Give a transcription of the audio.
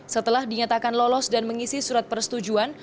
setelah dinyatakan lolos dan mengisi surat persetujuan